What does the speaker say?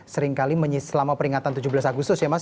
seringkali selama peringatan tujuh belas agustus ya mas